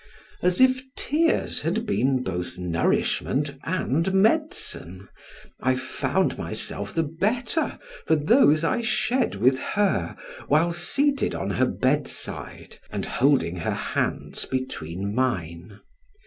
As if tears had been both nourishment and medicine, I found myself the better for those I shed with her, while seated on her bed side, and holding her hands between mine.